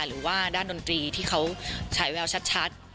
หรือว่าด้านดนตรีที่เขาฉายแววชัด